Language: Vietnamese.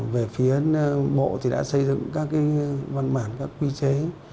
về phía bộ thì đã xây dựng các văn bản các quy chế